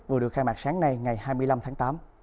vừa được khai mạc sáng nay ngày hai mươi năm tháng tám